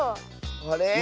あれ？